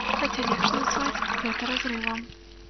Хаця, лепш назваць гэта разрывам.